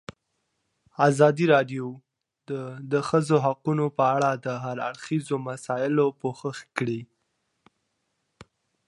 ازادي راډیو د د ښځو حقونه په اړه د هر اړخیزو مسایلو پوښښ کړی.